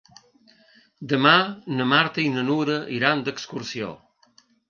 Demà na Marta i na Nura iran d'excursió.